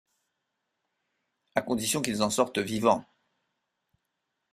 À condition qu’ils en sortent vivants…